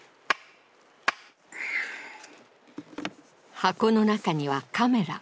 箱の中にはカメラ。